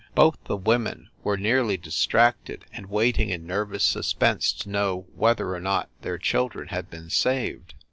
Both the women were nearly distracted and waiting in nervous suspense to know whether or not their children had been saved.